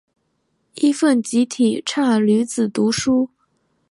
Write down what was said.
尹奉吉提倡女子读书。